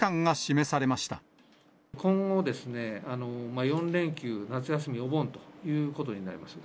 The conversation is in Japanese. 今後、４連休、夏休み、お盆ということになります。